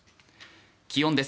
気温です。